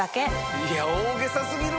いや大げさ過ぎるわ！